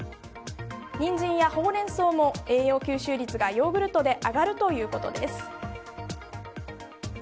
ニンジンやホウレンソウも栄養吸収率がヨーグルトで上がるということです。